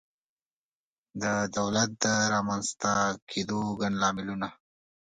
د دولت د رامنځته کېدو ګڼ لاملونه